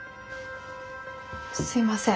すいません。